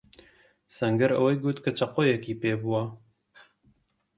سەنگەر ئەوەی گوت کە چەقۆیەکی پێبووە.